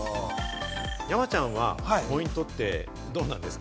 山ちゃんはポイントってどうですか？